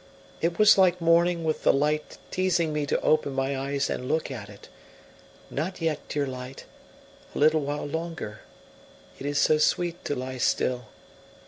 It was like morning with the light teasing me to open my eyes and look at it. Not yet, dear light; a little while longer, it is so sweet to lie still.